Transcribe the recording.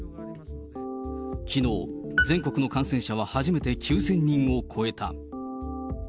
きのう、全国の感染者は初めて９０００人を超えた。